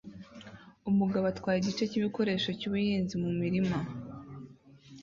Umugabo atwara igice cyibikoresho byubuhinzi mu murima